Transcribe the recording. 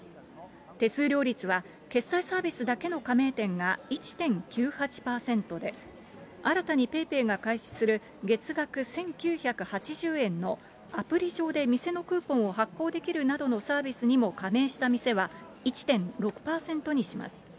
手数料率は、決済サービスだけの加盟店が１．９８％で、新たにペイペイが開始する月額１９８０円のアプリ上で店のクーポンを発行できるなどのサービスにも加盟した店は１．６％にします。